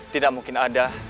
tidak mungkin ada